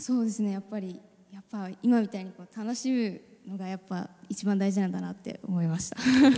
今みたいに楽しむのが一番大事なんだなって思いました。